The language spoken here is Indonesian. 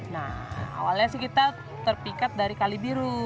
nah awalnya sih kita terpikat dari kalibiru